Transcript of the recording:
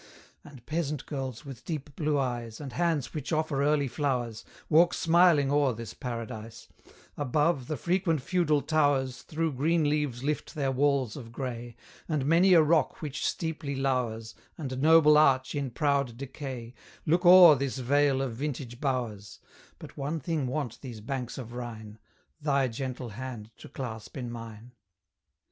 And peasant girls, with deep blue eyes, And hands which offer early flowers, Walk smiling o'er this paradise; Above, the frequent feudal towers Through green leaves lift their walls of grey, And many a rock which steeply lours, And noble arch in proud decay, Look o'er this vale of vintage bowers: But one thing want these banks of Rhine, Thy gentle hand to clasp in mine!